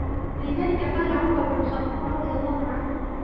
وَلِذَلِكَ قَالَ عُمَرُ بْنُ الْخَطَّابِ رَضِيَ اللَّهُ عَنْهُ